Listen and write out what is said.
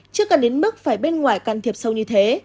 chưa cần đến mức phải bên ngoài can thiệp sâu như thế